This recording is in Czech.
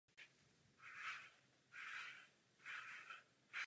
Další zlatou desku skupina obdržela za prodej alba "Nechci zůstat sám".